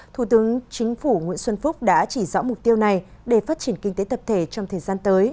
thủ tướng chính phủ nguyễn xuân phúc đã chỉ rõ mục tiêu này để phát triển kinh tế tập thể trong thời gian tới